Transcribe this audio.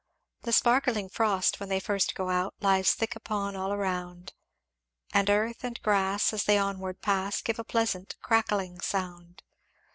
"The sparkling frost when they first go out, Lies thick upon all around; And earth and grass, as they onward pass, Give a pleasant crackling sound.